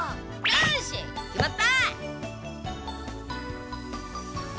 よし決まった！